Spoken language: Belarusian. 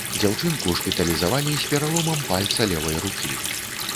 Дзяўчынку шпіталізавалі з пераломам пальца левай рукі.